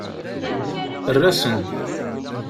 Err-asen.